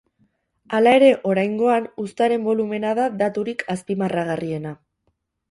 Hala ere, oraingoan, uztaren bolumena da daturik azpimarragarriena.